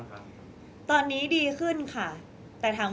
มิวยังมีเจ้าหน้าที่ตำรวจอีกหลายคนที่พร้อมจะให้ความยุติธรรมกับมิว